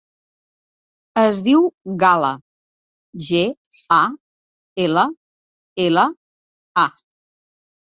Es diu Gal·la: ge, a, ela, ela, a.